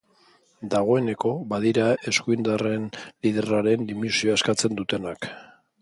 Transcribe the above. Dagoeneko badira eskuindarren liderraren dimisioa eskatzen dutenak.